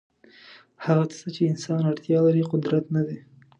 هغه څه ته چې انسان اړتیا لري قدرت نه دی.